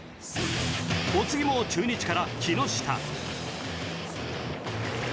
お次も中日から木下